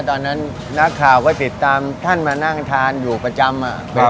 ตอนนั้นนักข่าวก็ติดตามท่านมานั่งทานอยู่ประจำ